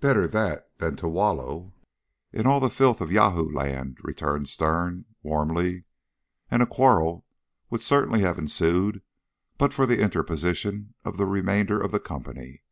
"Better that than to wallow in all the filth of Yahoo land," returned Sterne warmly, and a quarrel would certainly have ensued but for the interposition of the remainder of the company.